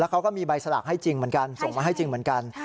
เขาก็มีใบสลากให้จริงเหมือนกันส่งมาให้จริงเหมือนกัน